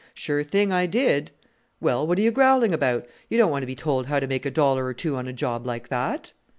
"Sure thing, I did." "Well what are you growling about? You don't want to be told how to make a dollar or two on a job like that!"